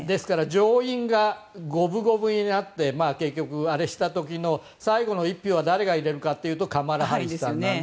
上院が五分五分になって結局、最後の１票は誰が入れるかというとカマラ・ハリスさんなんで。